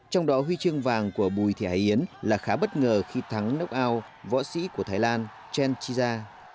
trong đó huy chương vàng của bùi thị hải yến là khá bất ngờ khi thắng knockout võ sĩ của thái lan chen chi ja